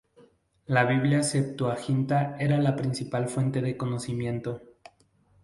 La Biblia Septuaginta era la principal fuente de conocimiento.